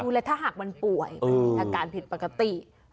แล้วถ้าหากมันป่วยมันมีอาการผิดปกติ